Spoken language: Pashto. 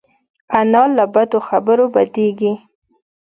انا له بدو خبرو بدېږي